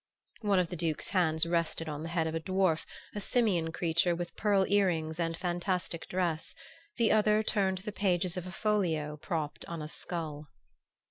One of the Duke's hands rested on the head of a dwarf, a simian creature with pearl ear rings and fantastic dress; the other turned the pages of a folio propped on a skull.